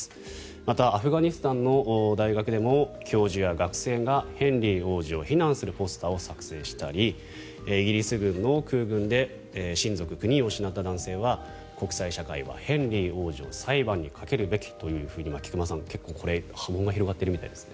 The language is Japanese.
また、アフガニスタンの大学でも教授や学生がヘンリー王子を非難するポスターを作成したりイギリス軍の空軍で親族９人を失った男性は国際社会はヘンリー王子を裁判にかけるべきというふうに菊間さん、結構これ波紋が広がってるみたいですね。